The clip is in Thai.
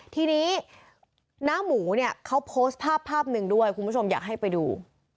ทีนี้น้าหมูเนี่ยเขาโพสต์ภาพภาพหนึ่งด้วยคุณผู้ชมอยากให้ไปดู